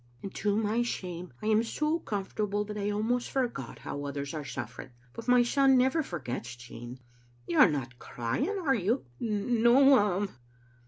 "And, to my shame, I am so comfortable that I almost forgot how others are suffering. But my son never forgets, Jean. You are not crying, are you?" "No, ma'am."